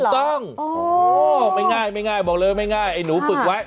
ถูกต้องไม่ง่ายไม่ง่ายบอกเลยไม่ง่ายไอ้หนูฝึกไว้